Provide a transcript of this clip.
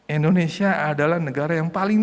indonesia adalah negara yang paling